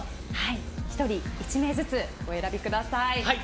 １人１名ずつお選びください。